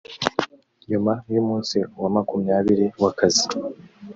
nyuma y umunsi wa makumyabiri w akazi